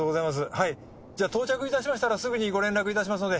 はいじゃあ到着いたしましたらすぐにご連絡いたしますので。